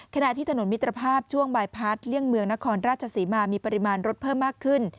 ขณะที่ถนนมิตรภาพช่วงบายพัดเลี่ยงเมืองนครราชศรีมามีปริมาณรถเพิ่มมากขึ้น